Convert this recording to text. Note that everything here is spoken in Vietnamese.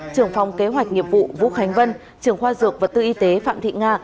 trưởng phòng kế hoạch nghiệp vụ vũ khánh vân trưởng khoa dược vật tư y tế phạm thị nga